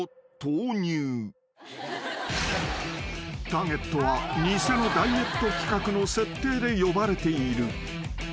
［ターゲットは偽のダイエット企画の設定で呼ばれている］